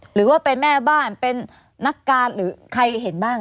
หรือว่าเป็นแม่บ้านเป็นนักการหรือใครเห็นบ้าง